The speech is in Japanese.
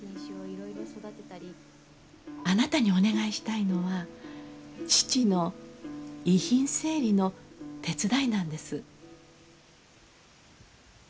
あなたにお願いしたいのは父の遺品整理の手伝いなんです。